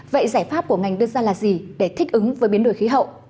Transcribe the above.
vậy giải pháp của ngành đưa ra là gì để thích ứng với biến đổi khí hậu